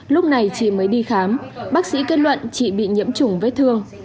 lúc này chị mới đi khám bác sĩ kết luận chị bị nhiễm chủng vết thương